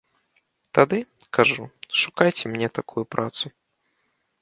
Тады, кажу, шукайце мне такую працу.